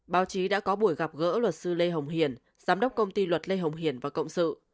báo chí đã có buổi gặp gỡ luật sư lê hồng hiền giám đốc công ty luật lê hồng hiền và cộng sự